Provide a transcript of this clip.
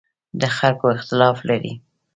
له خلکو اختلاف لري.